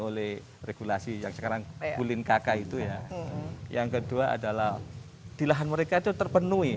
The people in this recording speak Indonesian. oleh regulasi yang sekarang kulin kk itu ya yang kedua adalah di lahan mereka itu terpenuhi